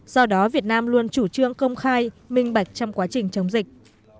do đó việt nam luôn chủ trương công khai minh bạch trong quá trình chống dịch